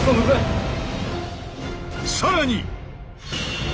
更に。